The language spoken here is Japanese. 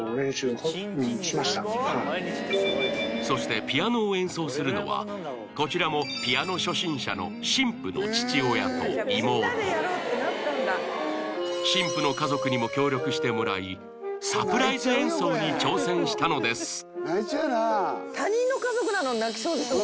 そしてピアノを演奏するのはこちらもピアノ初心者の新婦の父親と妹新婦の家族にも協力してもらいサプライズ演奏に挑戦したのです